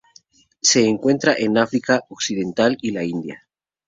Se encuentra en África occidental y la India.